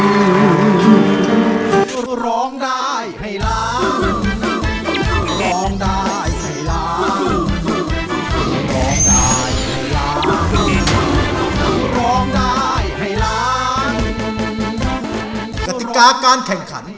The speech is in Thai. กติกาการแข่งขัน